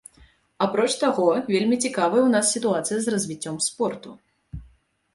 Апроч таго, вельмі цікавая ў нас сітуацыя з развіццём спорту.